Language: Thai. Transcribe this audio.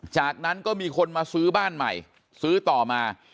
จากนั้นก็มีคนมาซื้อบ้านใหม่ซื้อต่อมา